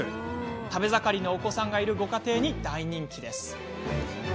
食べ盛りのお子さんがいるご家庭に大人気。